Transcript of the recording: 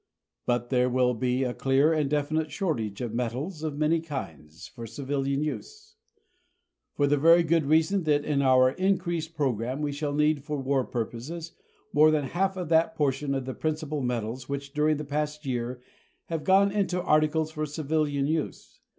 But there will be a clear and definite shortage of metals for many kinds of civilian use, for the very good reason that in our increased program we shall need for war purposes more than half of that portion of the principal metals which during the past year have gone into articles for civilian use.